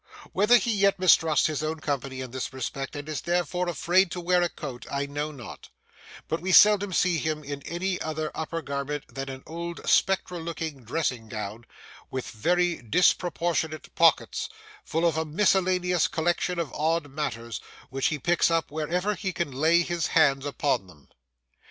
Whether he yet mistrusts his own constancy in this respect, and is therefore afraid to wear a coat, I know not; but we seldom see him in any other upper garment than an old spectral looking dressing gown, with very disproportionate pockets, full of a miscellaneous collection of odd matters, which he picks up wherever he can lay his hands upon them.